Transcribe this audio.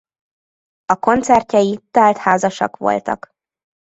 A koncertjei telt házasak voltak.